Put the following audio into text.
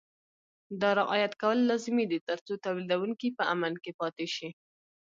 دا رعایت کول لازمي دي ترڅو تولیدوونکي په امن کې پاتې شي.